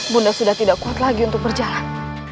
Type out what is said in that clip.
bunda sudah tidak kuat lagi untuk berjalan